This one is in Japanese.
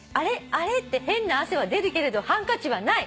あれっ？って変な汗は出るけれどハンカチはない。